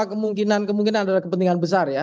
kemungkinan kemungkinan adalah kepentingan besar ya